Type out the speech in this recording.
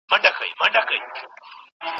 ایا ته د معلوماتو خوندیتوب ته ګورې؟